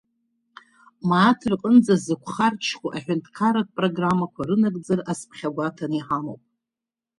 Мааҭ рҟынӡа зықәхарџьхо аҳәынҭқарратә программақәа рынагӡара азԥхьагәаҭаны иҳамоуп.